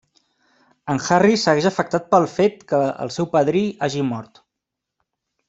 En Harry segueix afectat pel fet que el seu padrí hagi mort.